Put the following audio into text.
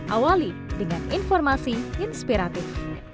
awali dengan informasi inspiratif